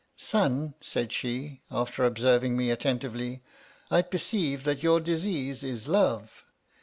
Son, said she, after observing me attentively, I perceive that your disease is love.